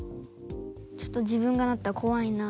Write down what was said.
ちょっと自分がなったら怖いな。